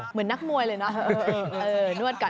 เหมือนนักมวยเลยนะนวดก่อน